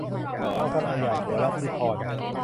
อังสนาหย่าผัว - รพีพร